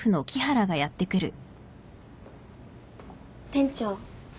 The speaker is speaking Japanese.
・店長。